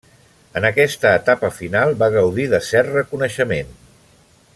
En aquesta etapa final va gaudir de cert reconeixement.